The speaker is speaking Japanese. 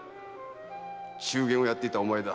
〔中間をやっていたお前だ。